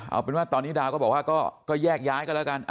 เอาเป็นว่าตอนนี้ดาวก็บอกว่าก็แยกย้ายกันแล้วกัน